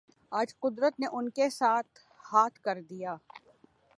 آج قدرت نے ان کے ساتھ ہاتھ کر دیا۔